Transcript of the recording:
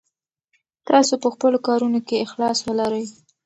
تاسو په خپلو کارونو کې اخلاص ولرئ.